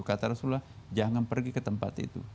kata rasulullah jangan pergi ke tempat itu